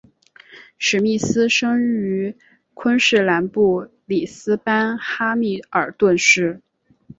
史密斯生于昆士兰布里斯班哈密尔顿市。